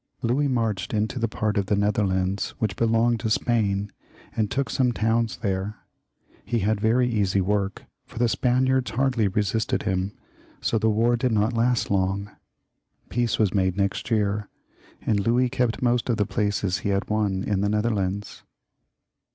Louis marched into the part of the Netherlands which belonged to Spain, and took some towns there. He had very easy XLiv.] LOUIS XIV, 343 . 1 —.,, work, for the Spaniards hardly resisted him, so the war did not last long. Peace was made next year, and Louis kept most of the places he had won in the Netherlands.